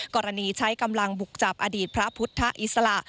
กรณีใช้กำลังบุกจับอดีตพระพุทธอิสระ